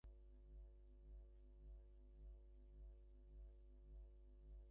এতে শাখায় প্রতিদিন চার থেকে সাড়ে চার কোটি টাকা লেনদেন হয়।